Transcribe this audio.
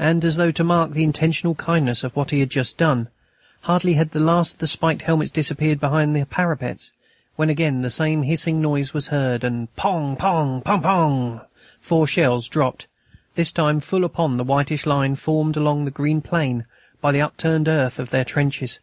And, as though to mark the intentional kindness of what he had just done, hardly had the last of the spiked helmets disappeared behind the parapets, when again the same hissing noise was heard, and, pong! pong! pong! pong! four shells dropped, this time full upon the whitish line formed along the green plain by the upturned earth of their trenches.